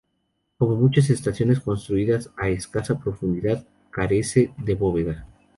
Como muchas estaciones construidas a escasa profundidad carece de bóveda.